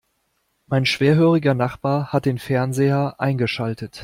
Mein schwerhöriger Nachbar hat den Fernseher eingeschaltet.